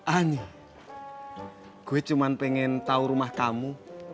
ani gue cuma pengen tau rumah kamu